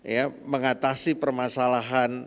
ya mengatasi permasalahan